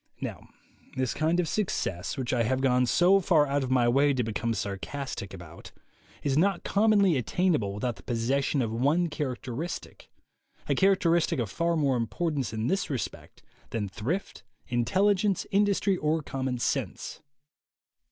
Now this kind of success, which I have gone so far out of my way to become sarcastic about, is not commonly attainable without the possession of one characteristic, a characteristic of far more im portance in this respect than thrift, intelligence, industry or common sense.